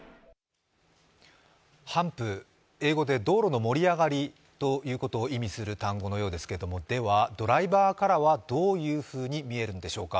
ハンプ、英語で道路の盛り上がりを意味する単語のようですけれどもドライバーからはどういうふうに見えるんでしょうか。